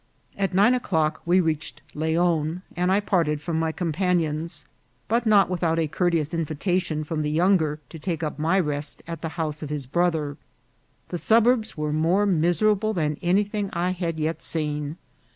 At nine o'clock we reached Leon, and I parted from my com panions, but not without a courteous invitation from the younger to take up my rest at the house of his brother. The suburbs were more miserable than anything I had yet seen.